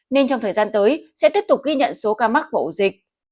nên trong thời gian tới sẽ tiếp tục ghi nhận số ca mắc của ổ dịch